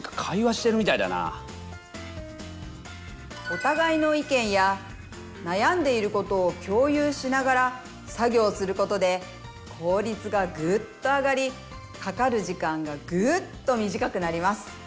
おたがいの意見や悩んでいることを共有しながら作業することで効率がぐっと上がりかかる時間がぐっと短くなります。